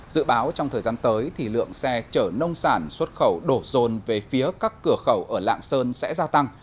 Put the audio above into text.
dự báo trong thời gian tới thì lượng xe chở nông sản xuất khẩu đổ rồn về phía các cửa khẩu ở lạng sơn sẽ gia tăng